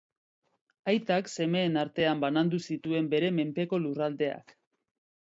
Aitak semeen artean banandu zituen bere menpeko lurraldeak.